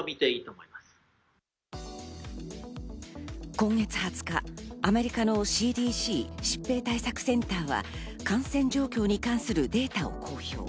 今月２０日、アメリカのＣＤＣ＝疾病対策センターは感染状況に関するデータを公表。